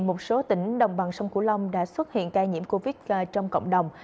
một số tỉnh đồng bằng sông cửu long đã xuất hiện ca nhiễm covid một mươi chín trong cộng đồng